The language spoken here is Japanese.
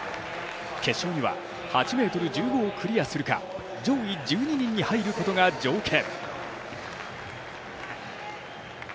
決勝には８ｍ１５をクリアするか上位１２人に入ることが条件。